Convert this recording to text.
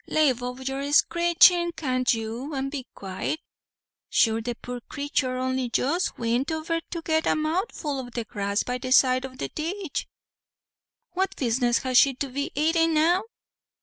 "Lave off your screeching, can't you, and be quite. Sure the poor craythur only just wint over to get a mouthful o' the grass by the side o' the ditch." "What business has she to be atin' now?"